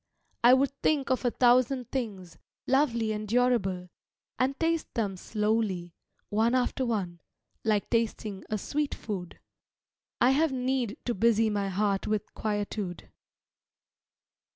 I would think of a thousand things, Lovely and durable, and taste them slowly, One after one, like tasting a sweet food. I have need to busy my heart with quietude.